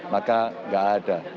maka tidak ada